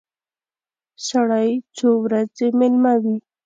سړی څو ورځې مېلمه وي.